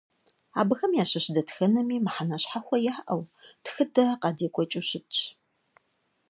Абыхэм ящыщ дэтхэнэми мыхьэнэ щхьэхуэ яӀэу, тхыдэ къадекӀуэкӀыу щытщ.